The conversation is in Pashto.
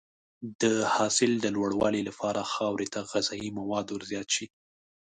د حاصل د لوړوالي لپاره خاورې ته غذایي مواد ورزیات شي.